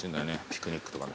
ピクニックとか。